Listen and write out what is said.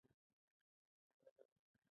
کار او ژوند نه کوي.